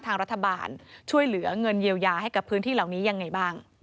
ทางรัฐบาลช่วยเหลือเงินเยียวยาให้กับพื้นที่เหล่านี้ยังไงบ้าง